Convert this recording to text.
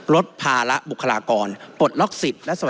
ลดภาระบุคลากรปลดล็อกสิทธิ์และสวัสดีครับ